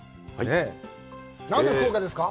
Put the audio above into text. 何で福岡ですか？